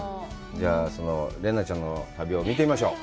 では、その玲奈ちゃんの旅を見てみましょう。